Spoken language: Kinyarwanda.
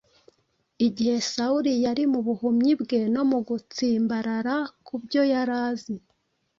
Igihe Sawuli yari mu buhumyi bwe no mu gutsimbarara ku byo yari azi,